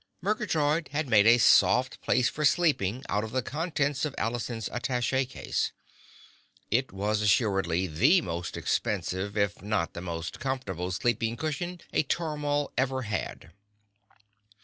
Murgatroyd had made a soft place for sleeping out of the contents of Allison's attache case. It was assuredly the most expensive if not the most comfortable sleeping cushion a tormal ever had.